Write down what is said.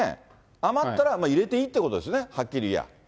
余ったら入れていいってことですよね、はっきりいや。